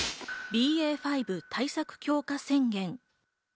５対策強化宣言。